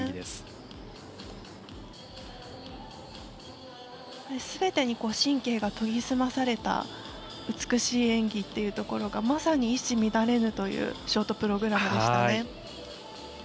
すべてに神経が研ぎ澄まされた美しい演技というところがまさに、一糸乱れぬというショートプログラムでしたね。